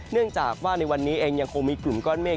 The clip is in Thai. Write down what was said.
เนื่องจากว่าในวันนี้เองยังคงมีกลุ่มก้อนเมฆ